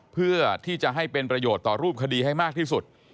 เพื่อที่จะให้เป็นประโยชน์ต่อรูปคดีให้มากที่สุด